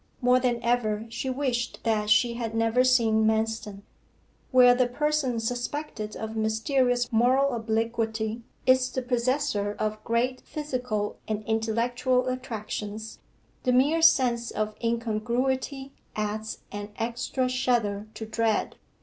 More than ever she wished that she had never seen Manston. Where the person suspected of mysterious moral obliquity is the possessor of great physical and intellectual attractions, the mere sense of incongruity adds an extra shudder to dread.